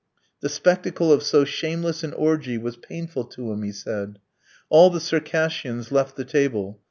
The spectacle of so shameless an orgie was painful to him, he said. All the Circassians left the table.